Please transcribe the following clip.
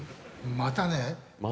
またね。